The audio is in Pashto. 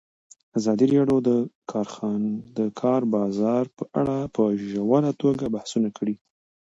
ازادي راډیو د د کار بازار په اړه په ژوره توګه بحثونه کړي.